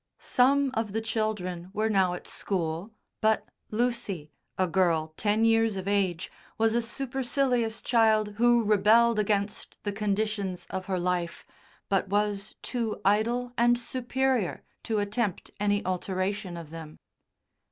Some of the children were now at school, but Lucy, a girl ten years of age, was a supercilious child who rebelled against the conditions of her life, but was too idle and superior to attempt any alteration of them.